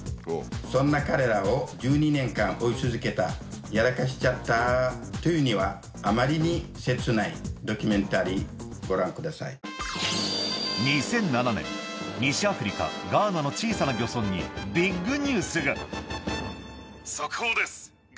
そんな彼らを１２年間追い続けた、やらかしちゃったというにはあまりに切ないドキュメンタリー、２００７年、西アフリカ・ガーナの小さな漁村にビッグニュースが。